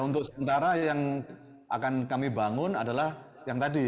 untuk sementara yang akan kami bangun adalah yang tadi